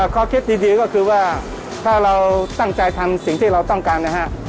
ข้อคิดดีก็คือว่าถ้าเราตั้งใจทำสิ่งที่เราต้องการนะฮะ